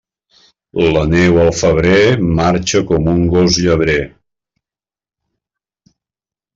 La neu al febrer, marxa com un gos llebrer.